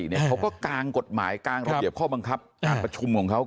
เขาก็กางกฎหมายกางระเบียบข้อบังคับการประชุมของเขา